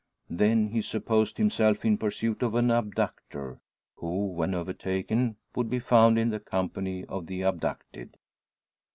Then he supposed himself in pursuit of an abductor, who, when overtaken, would be found in the company of the abducted.